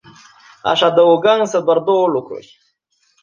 Aș adăuga însă doar două lucruri.